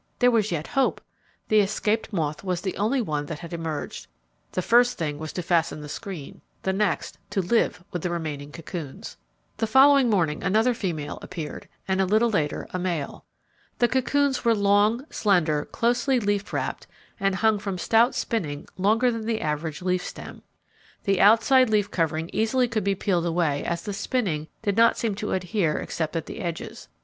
There was yet hope! The escaped moth was the only one that had emerged. The first thing was to fasten the screen, the next to live with the remaining cocoons. The following morning another, female appeared, and a little later a male. The cocoons were long, slender, closely leaf wrapped and hung from stout spinning longer than the average leaf stem. The outside leaf covering easily could be peeled away as the spinning did not seem to adhere except at the edges.